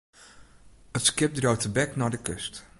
It skip dreau tebek nei de kust.